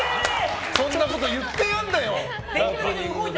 そんなこと言ってやるなよ！